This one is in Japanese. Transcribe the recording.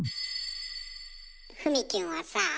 ふみきゅんはさあ。